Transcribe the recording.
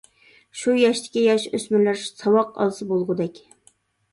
شۇ ياشتىكى ياش-ئۆسمۈرلەر ساۋاق ئالسا بولغۇدەك.